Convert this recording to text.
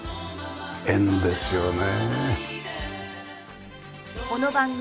縁ですよね。